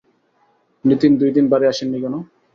নিতিন দুই দিন বাড়ি আসেনি কেন?